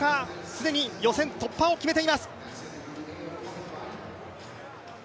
すでに予選突破を決めています。